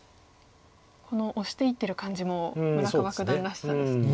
このオシていってる感じも村川九段らしさですね。